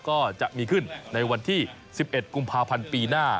ก็จะมีขึ้นในวันที่๑๑กุมภาพันธ์ปีหน้า